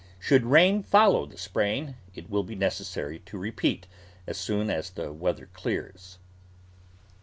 Should rain follow the spraying, it will be necessary to repeat as soon as the weather clears.